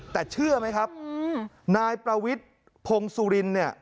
แต่เชื่อไหมครับนายประวิทย์พงศุรินเนี่ย